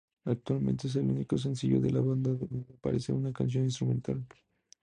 Actualmente es el único sencillo de la banda en donde aparece una canción instrumental.